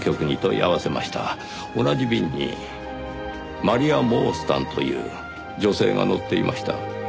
同じ便にマリア・モースタンという女性が乗っていました。